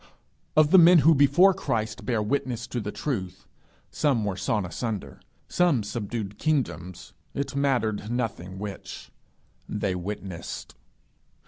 Of the men who before Christ bare witness to the truth, some were sawn asunder, some subdued kingdoms; it mattered nothing which: they witnessed.